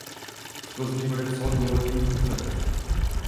V Plzni podepsal dvouletý kontrakt.